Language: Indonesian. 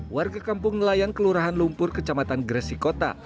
warga kampung nelayan kelurahan lumpur kecamatan gresik kota